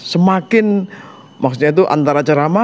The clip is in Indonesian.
semakin maksudnya itu antara ceramah